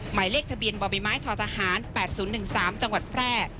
หมายเลขทะเบียนบ่อใบไม้ททหาร๘๐๑๓จังหวัดแพร่